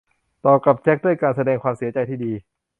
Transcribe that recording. ตอบกลับแจ็คด้วยการแสดงความเสียใจที่ดี